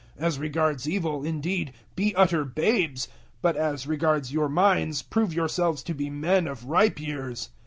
As regards evil, indeed, be utter babes, but as regards your minds prove yourselves to be men of ripe years.